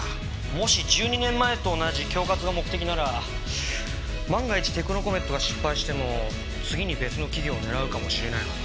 もし１２年前と同じ恐喝が目的なら万が一テクノコメットが失敗しても次に別の企業を狙うかもしれないのに。